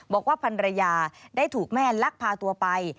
บอกว่าพันรยาได้ถูกแม่ลักพาตัวไป